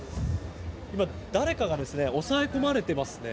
今、誰かが押さえ込まれていますね。